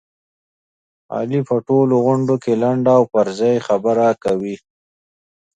علي په ټولو غونډوکې لنډه او پرځای خبره کوي.